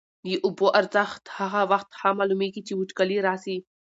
د اوبو ارزښت هغه وخت ښه معلومېږي چي وچکالي راسي.